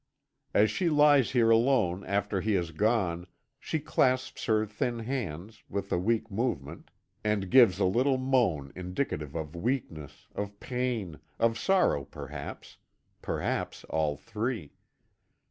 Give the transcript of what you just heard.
As she lies here alone after he has gone, she clasps her thin hands, with a weak movement, and gives a little moan indicative of weakness, of pain, of sorrow perhaps perhaps all three.